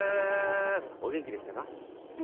お元気でしたか？